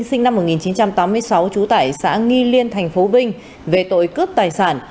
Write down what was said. sinh năm một nghìn chín trăm tám mươi sáu trú tại xã nghi liên tp vinh về tội cướp tài sản